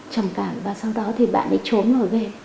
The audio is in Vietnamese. trầm cảm và sau đó thì bạn ấy trốn ở game